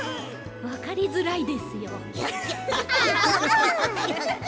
わかりづらいですよ。